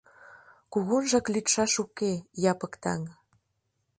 Кугунжак лӱдшаш уке, Япык таҥ.